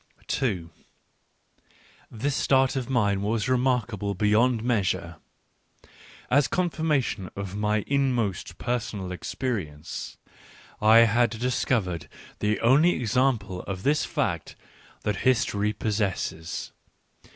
This start of mine was remarkable beyond meas ure. As a confirmation of my inmost personal ex perience I had discovered the only example of this f act that history p os sesses.